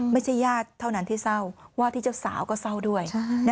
ไม่ใช่ญาติเท่านั้นที่เศร้าว่าที่เจ้าสาวก็เศร้าด้วย